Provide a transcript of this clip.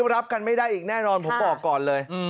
รับกันไม่ได้อีกแน่นอนผมบอกก่อนเลย